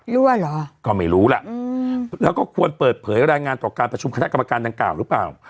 รั่วเหรอก็ไม่รู้ล่ะแล้วก็ควรเปิดเผยรายงานต่อการประชุมคณะกรรมการดังกล่าวหรือเปล่า